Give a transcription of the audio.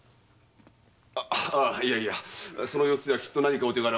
ああいやいやその様子ではきっと何かお手柄を。